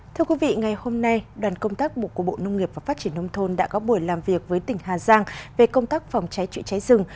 thưa quý vị ngày hôm nay đoàn công tác bộ của bộ nông nghiệp và phát triển nông thôn đã có buổi làm việc với tỉnh hà giang về công tác phòng cháy trụ cháy rừng